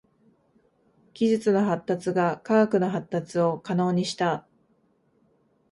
技術の発達が科学の発達を可能にした。